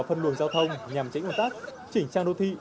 phân luận giao thông nhằm chánh hoạt tác chỉnh trang đô thị